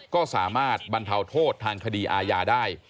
ก็สามารถบรรเทาโทษทางคดีอาญาได้